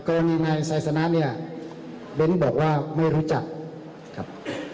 กรณีนายไซสนะเนี่ยเบ้นบอกว่าไม่รู้จักครับ